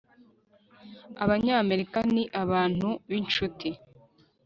abanyamerika ni abantu b'inshuti